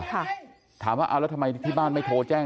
ถามว่าเอาแล้วทำไมที่บ้านไม่โทรแจ้ง